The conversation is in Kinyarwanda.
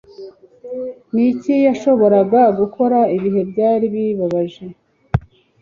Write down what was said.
Niki yashoboraga gukora ibihe byari bibabaje